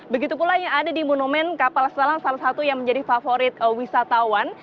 begitu pula yang ada di monumen kapal selam salah satu yang menjadi favorit wisatawan